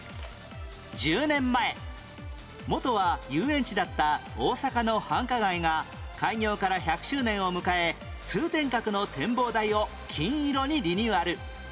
１０年前元は遊園地だった大阪の繁華街が開業から１００周年を迎え通天閣の展望台を金色にリニューアル